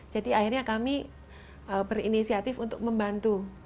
akhirnya kami berinisiatif untuk membantu